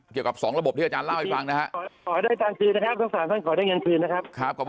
เกี่ยวกับ๒ระบบที่อาจารย์เล่าให้ฟังนะครับ